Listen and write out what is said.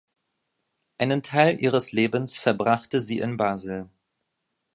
Einen Teil ihres Lebens verbrachte sie in Basel.